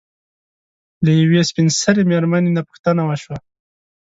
له يوې سپين سري مېرمنې نه پوښتنه وشوه